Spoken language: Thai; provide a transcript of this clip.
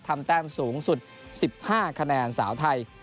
แต้มสูงสุด๑๕คะแนนสาวไทย